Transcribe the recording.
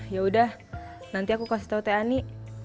ya udah nanti aku kasih tau teani